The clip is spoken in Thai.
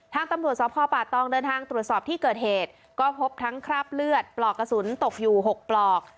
ทางตำรวจสพป่าตองเดินทางตรวจสอบที่เกิดเหตุก็พบทั้งคราบเลือดปลอกกระสุนตกอยู่๖ปลอก